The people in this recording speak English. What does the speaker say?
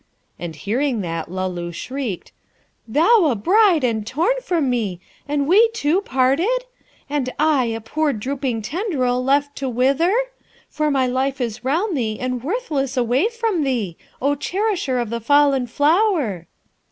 And, hearing that, Luloo shrieked, 'Thou a bride, and torn from me, and we two parted? and I, a poor drooping tendril, left to wither? for my life is round thee and worthless away from thee, O cherisher of the fallen flower.'